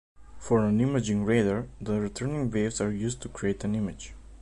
For an imaging radar, the returning waves are used to create an image.